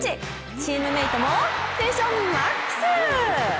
チームメートもテンションマックス！